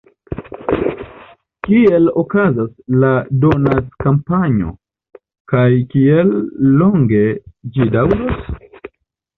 Kiel okazas la donackampanjo, kaj kiel longe ĝi daŭros?